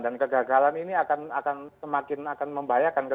dan kegagalan ini akan semakin membahayakan